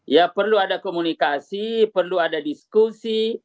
ya perlu ada komunikasi perlu ada diskusi